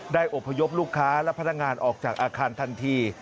อบพยพลูกค้าและพนักงานออกจากอาคารทันที